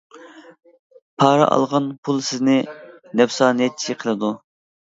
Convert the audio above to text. پارا ئالغان پۇل سىزنى نەپسانىيەتچى قىلىدۇ.